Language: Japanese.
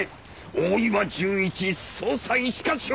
大岩純一捜査一課長！